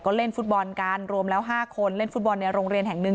ก็เล่นฟุตบอลกันรวมแล้ว๕คนเล่นฟุตบอลในโรงเรียนแห่งหนึ่ง